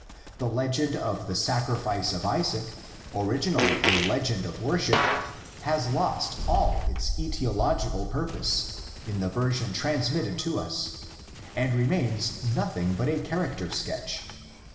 The legend of the sacrifice of Isaac, originally a legend of worship, has lost all its setiological pur pose in the version transmitted to us and remains nothing but a character sketch.